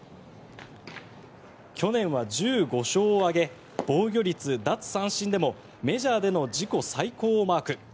去年は１５勝を挙げ防御率・奪三振でもメジャーでの自己最高をマーク。